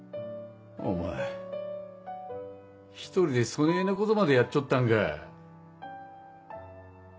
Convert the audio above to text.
お前一人でそねぇなことまでやっちょったんか。